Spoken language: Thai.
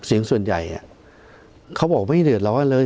เสียงส่วนใหญ่เขาบอกไม่เดือดร้อนเลย